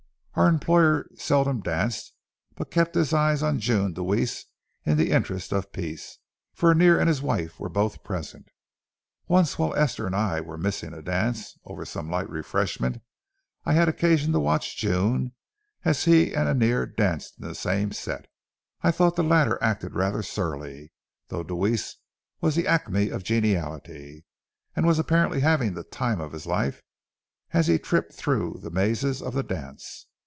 Our employer seldom danced, but kept his eye on June Deweese in the interests of peace, for Annear and his wife were both present. Once while Esther and I were missing a dance over some light refreshment, I had occasion to watch June as he and Annear danced in the same set. I thought the latter acted rather surly, though Deweese was the acme of geniality, and was apparently having the time of his life as he tripped through the mazes of the dance.